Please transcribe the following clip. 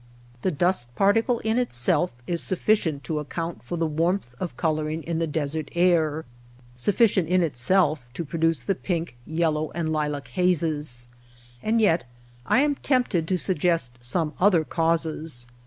The dust particle in itself is sufficient to ac count for the warmth of coloring in the desert air — sufficient in itself to produce the pink, yel low, and lilac hazes. And yet I am tempted to suggest some other causes.